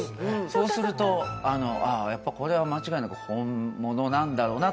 そうするとああやっぱこれは間違いなく本物なんだろうなという。